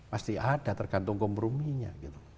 masih ada tergantung komprominya